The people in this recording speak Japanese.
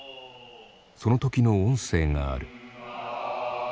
その時の音声がある。